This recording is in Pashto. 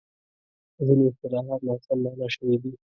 ځینې اصطلاحات ناسم مانا شوي دي.